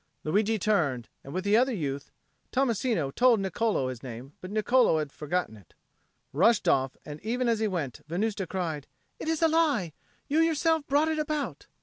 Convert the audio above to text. Luigi turned, and with the other youth (Tommasino told Niccolo his name, but Niccolo had forgotten it) rushed off; and even as he went, Venusta cried, "It is a lie! You yourself brought it about!"